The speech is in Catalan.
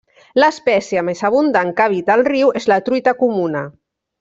L'espècie més abundant que habita al riu és la truita comuna.